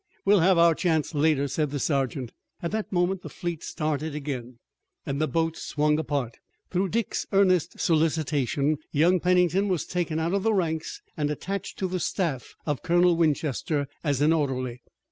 "We'll have our chance later," said the sergeant. At that moment the fleet started again, and the boats swung apart. Through Dick's earnest solicitation young Pennington was taken out of the ranks and attached to the staff of Colonel Winchester as an orderly.